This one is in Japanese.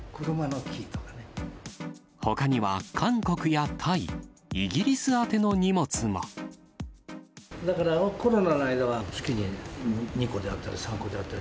ほかには韓国やタイ、イギリだからコロナの間は月に２個であったり３個であったり。